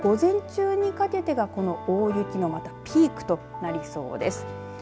あすの午前中にかけてがこの大雪のピークとなりそうです。